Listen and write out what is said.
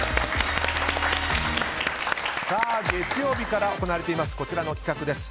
月曜日から行われていますこちらの企画です。